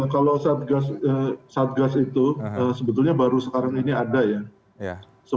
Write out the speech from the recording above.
kalau satgas itu sebetulnya baru sekarang ini ada ya